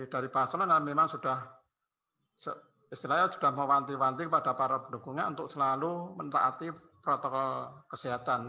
dari paslon memang sudah istilahnya sudah mewanti wanti kepada para pendukungnya untuk selalu mentaati protokol kesehatan